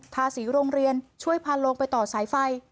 ทาสีโรงเรียนช่วยพาลงไปต่อสายไฟ